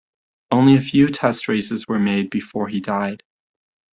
Only a few test races were made before he died.